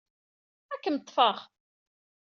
Ad kem-ḍḍfeɣ.